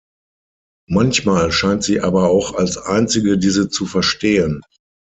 Manchmal scheint sie aber auch als einzige diese zu verstehen.